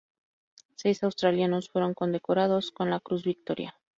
Seis australianos fueron condecorados con la Cruz Victoria.